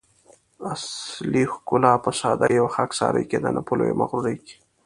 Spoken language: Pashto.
اصلي ښکلا په سادګي او خاکساري کی ده؛ نه په لويي او مغروري کي